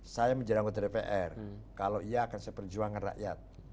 saya menjadikan dpr kalau iya akan saya perjuangkan rakyat